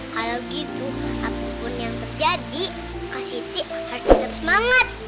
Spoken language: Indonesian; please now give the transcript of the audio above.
kalau gitu apapun yang terjadi kak siti harus tersemangat